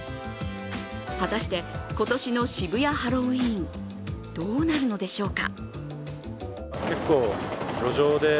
果たして今年の渋谷ハロウィーン、どうなるのでしょうか。